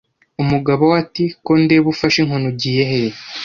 umugabo we ati Ko ndeba ufashe inkoni ugiye hehe